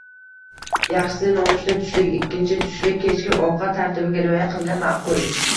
Yaxshisi, nonushta-tushlik-ikkinchi tushlik-kechki ovqat tartibiga rioya qilgan ma’qul.